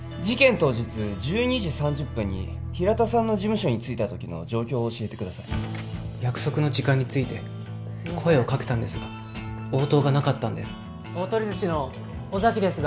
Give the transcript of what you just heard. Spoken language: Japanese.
当日１２時３０分に平田さんの事務所に着いた時の状況を教えてください約束の時間に着いて声をかけたんですが応答がなかったんです大酉寿司の尾崎ですが